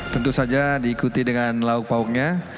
tentu saja diikuti dengan lauk pauknya